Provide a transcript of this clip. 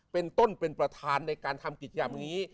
เป็นต้นเป็นประธานในการทำกิจกรรมนี้